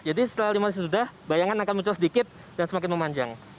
jadi setelah lima menit sudah bayangan akan muncul sedikit dan semakin memanjang